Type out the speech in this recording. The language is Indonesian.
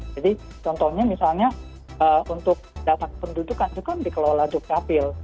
jadi contohnya misalnya untuk data pendudukan juga dikelola duk kapil